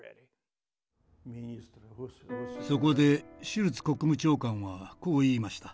そこでシュルツ国務長官はこう言いました。